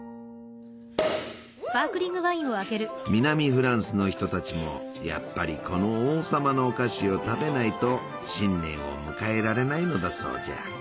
南フランスの人たちもやっぱりこの王様のお菓子を食べないと新年を迎えられないのだそうじゃ。